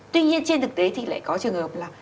tuy nhiên trên thực tế thì lại có trường hợp là